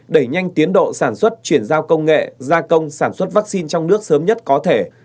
đẩy nhanh tiến độ sản xuất chuyển giao công nghệ gia công sản xuất vaccine trong nước sớm nhất có thể